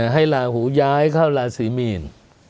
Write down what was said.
ให้ลาหูย้ายเข้าราศีมีน